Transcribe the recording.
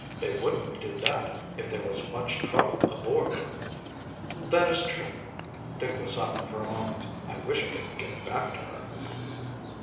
They wouldn't do that if there was much trouble aboard." "That is true." Dick was silent for a moment. "I wish I could get back to her."